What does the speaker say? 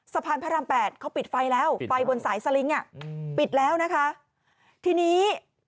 สะพานพระรามแปดเขาปิดไฟแล้วไฟบนสายสลิงค์อ่ะปิดแล้วนะคะทีนี้